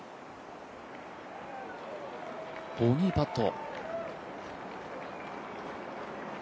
ボギーパット。